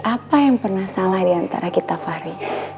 apa yang pernah salah diantara kita fahri